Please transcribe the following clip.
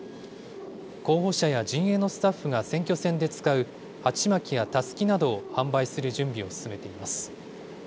候補者や陣営のスタッフが選挙戦で使う鉢巻きやたすきなどを販売する準備を進めています。